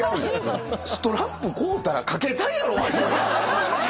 ストラップ買うたらかけたいやろ！